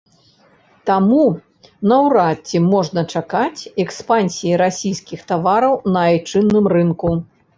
Таму наўрад ці можна чакаць экспансіі расійскіх тавараў на айчынным рынку.